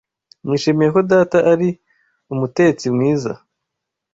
Nishimiye ko data ari umutetsi mwiza. (Shoyren)